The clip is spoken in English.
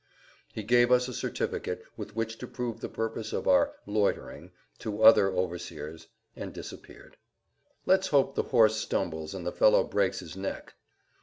He gave us a certificate with which to prove the purpose of our "loitering" to other overseers and disappeared. "Let's hope the horse stumbles and the fellow breaks his neck."